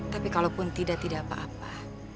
tapi kalau pun tidak tidak apa apa